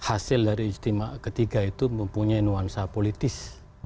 bahwa hasil dari istimewa ketiga itu mempunyai nuansa politis